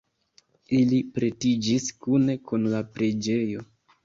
Ili pretiĝis kune kun la preĝejo.